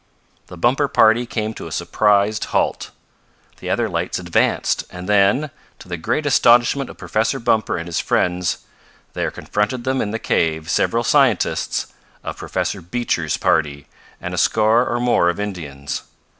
The Bumper party came to a surprised halt. The other lights advanced, and then, to the great astonishment of Professor Bumper and his friends, there confronted them in the cave several scientists of Professor Beecher's party and a score or more of Indians.